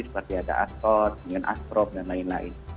seperti ada aspot asprob dan lain lain